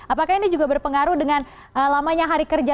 apakah ini juga berpengaruh dengan lamanya hari kerja